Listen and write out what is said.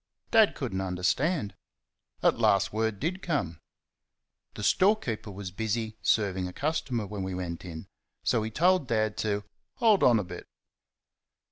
Dad could n't understand. At last word did come. The storekeeper was busy serving a customer when we went in, so he told Dad to "hold on a bit".